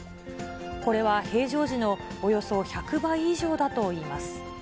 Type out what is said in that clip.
これは平常時のおよそ１００倍以上だといいます。